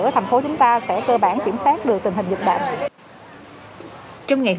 trong ngày hôm qua một mươi bảy tháng tám